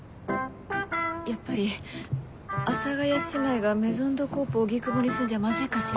やっぱり阿佐ヶ谷姉妹がメゾン・ド・コーポ荻窪に住んじゃまずいかしら。